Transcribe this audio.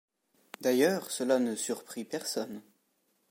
D’ailleurs, cela ne surprit personne.